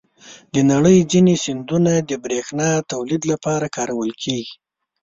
د نړۍ ځینې سیندونه د بریښنا تولید لپاره کارول کېږي.